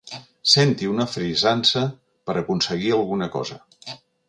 Senti una frisança per aconseguir alguna cosa.